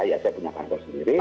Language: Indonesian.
saya punya kantor sendiri